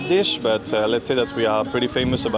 tapi kita harus mengatakan bahwa kita sangat terkenal